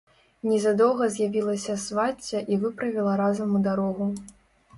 Незадоўга з'явілася свацця і выправіла разам у дарогу.